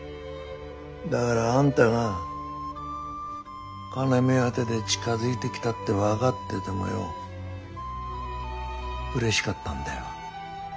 だからあんたが金目当てで近づいてきたって分かっててもよううれしかったんだよ。